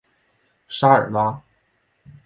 沙尔拉。